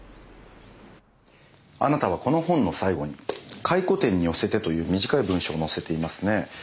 あなたはこの本の最後に「回顧展に寄せて」という短い文章を載せていますね。